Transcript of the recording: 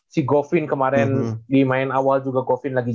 si goffin kemaren di main awal juga goffin lagi